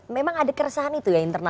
memang ada keresahan itu ya